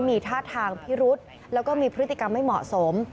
มีท่าทางพิรุษแล้วก็มีพฤติกรรมไม่เหมาะสม